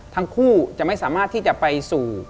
ทั้งคู่จะไม่สามารถที่จะไปสู่